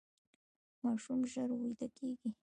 ماشوم ژر ویده کیږي.